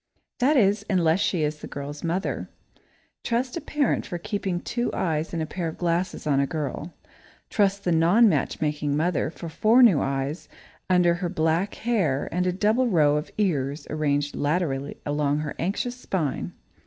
That is, unless she is the girl's mother. Trust a parent for keeping two eyes and a pair of glasses on a girl! Trust the non matchmaking mother for four new eyes under her back hair and a double row of ears arranged laterally along her anxious spine!